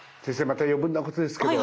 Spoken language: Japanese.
また余分なことですけど。